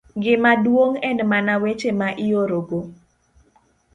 Gima duong' en mana weche ma iorogo